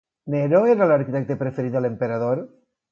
Neró era l'arquitecte preferit de l'emperador?